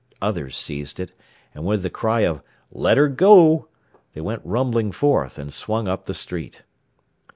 Others seized it, and with the cry of "Let 'er go!" they went rumbling forth, and swung up the street.